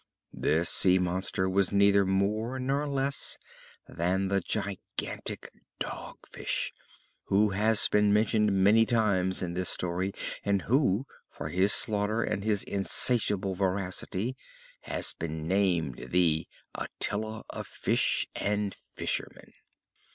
This sea monster was neither more nor less than that gigantic Dog Fish, who has been mentioned many times in this story, and who, for his slaughter and for his insatiable voracity, had been named the "Attila of Fish and Fishermen."